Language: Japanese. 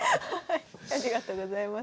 ありがとうございます。